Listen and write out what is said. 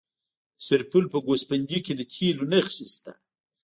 د سرپل په ګوسفندي کې د تیلو نښې شته.